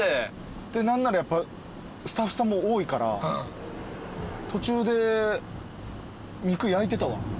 で何ならやっぱスタッフさんも多いから途中で肉焼いてたわ。